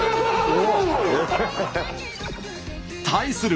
対する